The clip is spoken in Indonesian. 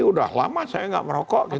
sudah lama saya gak merokok